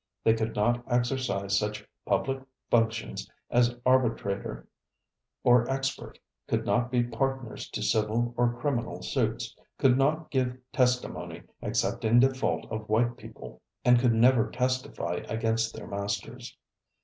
They could not exercise such public functions as arbitrator or expert, could not be partners to civil or criminal suits, could not give testimony except in default of white people, and could never testify against their masters.